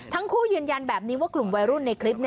ยืนยันแบบนี้ว่ากลุ่มวัยรุ่นในคลิป